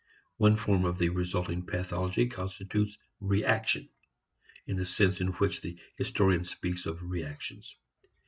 One form of the resulting pathology constitutes "reaction" in the sense in which the historian speaks of reactions.